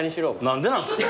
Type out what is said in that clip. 何でなんですか。